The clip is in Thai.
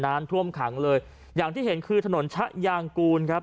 น้ำท่วมขังเลยอย่างที่เห็นคือถนนชะยางกูลครับ